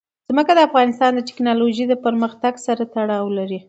ځمکه د افغانستان د تکنالوژۍ پرمختګ سره تړاو لري.